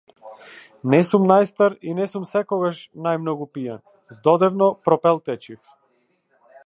Не сум најстар и не сум секогаш најмногу пијан, здодевно пропелтечив.